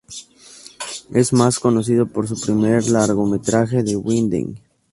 Es más conocido por su primer largometraje, The Wedding.